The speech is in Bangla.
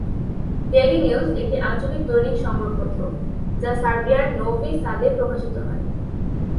ডেইলি নিউজ, একটি আঞ্চলিক দৈনিক সংবাদপত্র, যা সার্বিয়ার নোভি সাদে প্রকাশিত হয়।